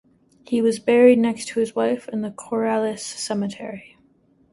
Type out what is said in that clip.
He was buried next to his wife in the Corrales Cemetery.